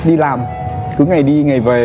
đi làm cứ ngày đi ngày về